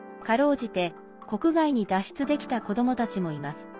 かろうじて国外に脱出できた子どもたちもいます。